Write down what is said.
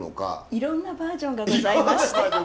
いろんなバージョンがございまして。